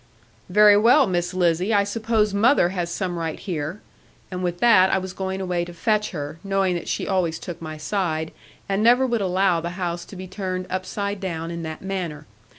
'Very well, Miss Lizzie, I suppose mother has some right here.' And with that, I was going away to fetch her, knowing that she always took my side, and never would allow the house to be turned upside down in that manner.